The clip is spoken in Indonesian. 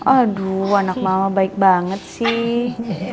aduh anak mama baik banget sih